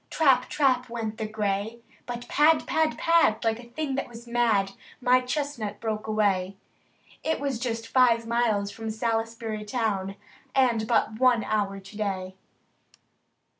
Trap! trap! went the gray; But pad! pad! pad! like a thing that was mad. My chestnut broke away. It was just five miles from Salisbury town. And but one hour to day.